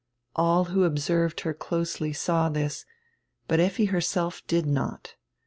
All who observed her closely saw diis, but Effi herself did not.